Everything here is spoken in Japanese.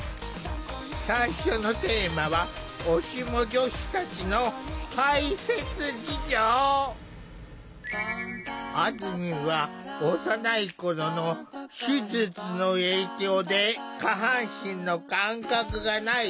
最初のテーマはおシモ女子たちのあずみんは幼い頃の手術の影響で下半身の感覚がない。